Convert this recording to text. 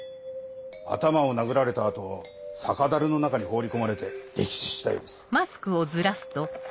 頭を殴られた後酒樽の中に放り込まれて溺死したようです。